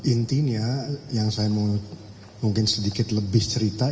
intinya yang saya mau mungkin sedikit lebih cerita